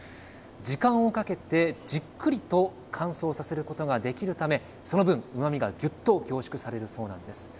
時間をかけてじっくりと乾燥させることができるため、その分、うまみがぎゅっと凝縮されるそうなんです。